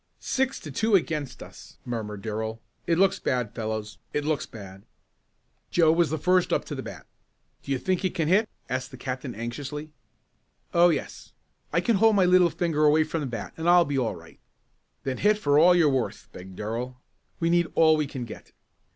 "Six to two against us," murmured Darrell. "It looks bad, fellows it looks bad." Joe was first up to the bat. "Do you think you can hit?" asked the captain anxiously. "Oh, yes. I can hold my little finger away from the bat and I'll be all right." "Then hit for all you're worth," begged Darrell. "We need all we can get."